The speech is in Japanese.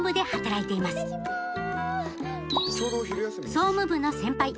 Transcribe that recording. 総務部の先輩坂東